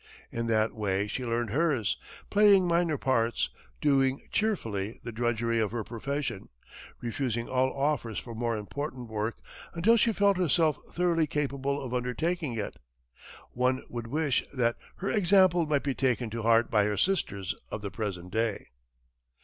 In that way she learned hers, playing minor parts, doing cheerfully the drudgery of her profession, refusing all offers for more important work until she felt herself thoroughly capable of undertaking it. One would wish that her example might be taken to heart by her sisters of the present day.